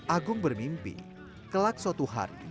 agung bermimpi kelak suatu hari